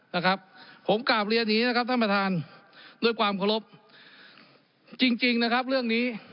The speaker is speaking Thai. นะครับผมกราบเรียนอย่างนี้นะครับท่านประธานด้วยความเคารพจริงจริงนะครับเรื่องนี้